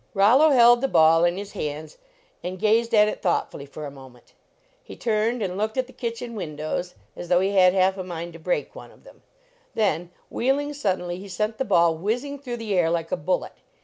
Rollo held the ball in his hands and gazed 5 65 LEARNING TO PLAY at it thoughtfully for a moment ; he turned and looked at the kitchen windows as though he had half a mind to break one of them ; then wheeling suddenly he sent the ball whizzing through the air like a bullet.